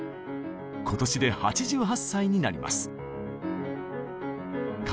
今年で８８歳になります。